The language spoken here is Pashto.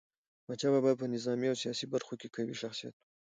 احمد شاه بابا په نظامي او سیاسي برخو کي قوي شخصیت و.